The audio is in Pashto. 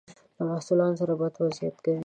له محصلانو سره بد وضعیت کوي.